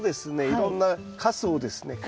いろんなかすをですね